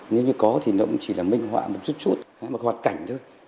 nếu như có thì nó cũng chỉ là minh họa một chút chút một hoạt cảnh thôi